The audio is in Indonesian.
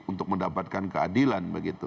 untuk mendapatkan keadilan